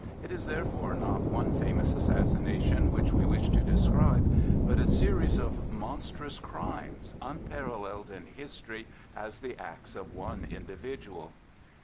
It is therefore not one famous assassination which we wish to describe, but a series of monstrous crimes, unparalleled in history as the acts of one individual.